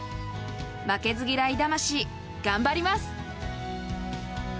負けず嫌い魂、頑張ります。